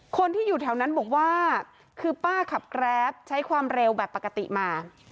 คนที่อยู่แถวนั้นบอกว่าคือป้าขับแกรปใช้ความเร็วแบบปกติมา